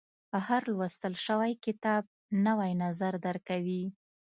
• هر لوستل شوی کتاب، نوی نظر درکوي.